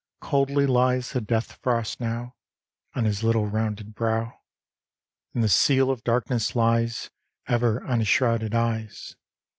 Coldly lies the death frost now On his little rounded brow ; And the seal of darkness lies Ever on his shrouded eyes.